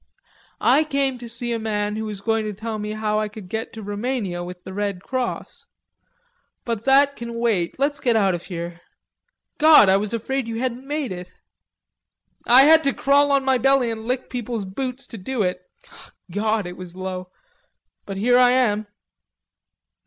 "I came to see a man who was going to tell me how I could get to Rumania with the Red Cross.... But that can wait.... Let's get out of here. God, I was afraid you hadn't made it." "I had to crawl on my belly and lick people's boots to do it.... God, it was low!... But here I am."